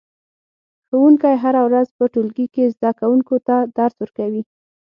ښوونکی هره ورځ په ټولګي کې زده کوونکو ته درس ورکوي